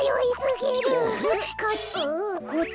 こっち？